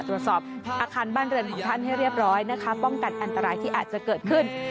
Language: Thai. ตรวจสอบอาคารบ้านเรือนของท่านให้เรียบร้อยนะคะป้องกันอันตรายที่อาจจะเกิดขึ้น